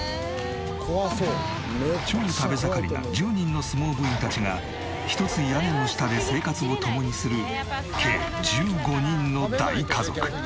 超食べ盛りな１０人の相撲部員たちが一つ屋根の下で生活を共にする計１５人の大家族。